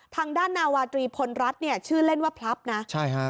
ทางด้านนาวาตรีพลรัฐเนี่ยชื่อเล่นว่าพลับนะใช่ฮะ